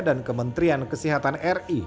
dan kementerian kesehatan ri